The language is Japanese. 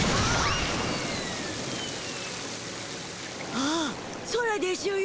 ああ空でしゅよ。